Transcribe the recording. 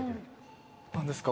何ですか？